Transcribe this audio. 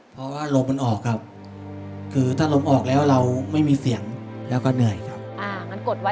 เพราะว่าลมมันออกครับคือถ้าลมออกแล้วเราไม่มีเสียงแล้วก็เหนื่อยครับ